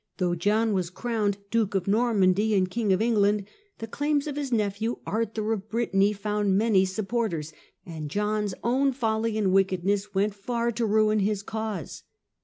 Though John was crowned Duke of Normandy and King of England, the claims of his nephew Arthur of Britanny found many supporters, and John's own folly and wickedness went far to ruin his cause.